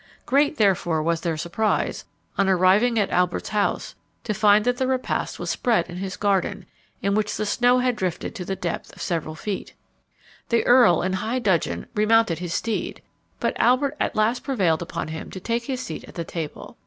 Great, therefore, was their surprise, on arriving at Albert's house, to find that the repast was spread in his garden, in which the snow had drifted to the depth of several feet. The earl in high dudgeon remounted his steed, but Albert at last prevailed upon him to take his seat at the table.